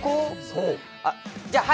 そうあっじゃあ